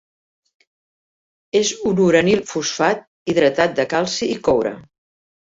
És un uranil-fosfat hidratat de calci i coure.